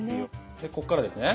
でこっからですね。